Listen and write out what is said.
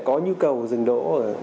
có nhu cầu dừng đỗ